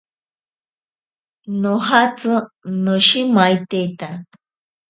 Nojatsi noshimaiteta.